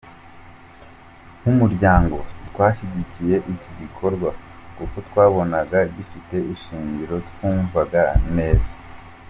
Nk’Umuryango, twashyigikiye iki gikorwa, kuko twabonaga gifite ishingiro twumvaga neza.